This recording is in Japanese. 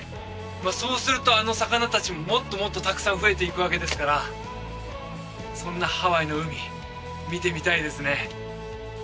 まあそうするとあの魚達ももっともっとたくさん増えていくわけですからそんなハワイの海見てみたいですね